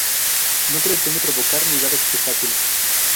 No pretende provocar ni "dar espectáculo".